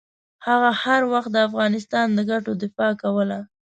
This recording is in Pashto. هغه هر وخت د افغانستان د ګټو دفاع کوله.